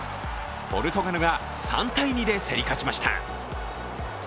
ポルトガルが３−２で競り勝ちました。